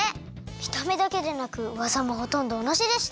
みためだけでなくわざもほとんどおなじでした！